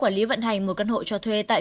quản lý vận hành một căn hộ cho thuê tại